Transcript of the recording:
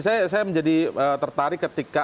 saya menjadi tertarik ketika